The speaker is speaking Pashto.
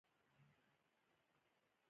پخو پښو سړی ودرېږي